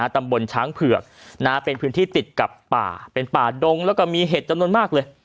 ตำบลช้างเผือกเป็นพื้นที่ติดกับป่าเป็นป่าดงแล้วก็มีเห็ดจำนวนมากเลย